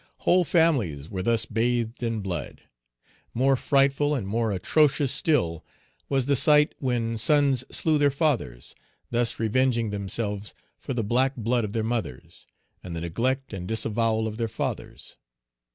Whole families were thus bathed in blood. More frightful and more atrocious still was the sight when sons slew their fathers, thus revenging themselves for the black blood of their mothers, and the neglect and disavowal of their fathers.